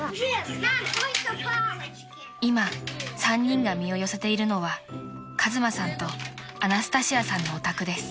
［今３人が身を寄せているのは和真さんとアナスタシアさんのお宅です］